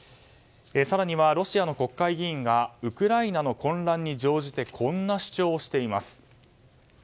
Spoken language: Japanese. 更には、ロシアの国会議員がウクライナの混乱に乗じてこんな主張をしています。